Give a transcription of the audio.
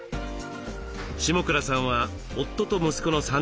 下倉さんは夫と息子の３人家族。